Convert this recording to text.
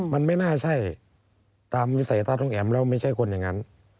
มันไม่น่าใช่ตามวิสัยทัศน์น้องแอ๋มแล้วไม่ใช่คนอย่างนั้น